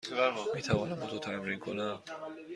می توانم با تو تمرین کنم؟